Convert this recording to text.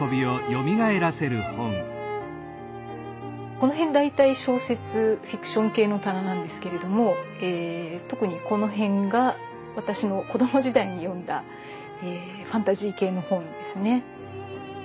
この辺大体小説フィクション系の棚なんですけれども特にこの辺が私の子供時代に読んだファンタジー系の本ですね。